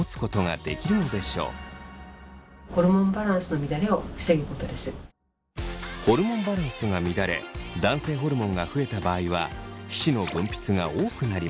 ホルモンバランスが乱れ男性ホルモンが増えた場合は皮脂の分泌が多くなります。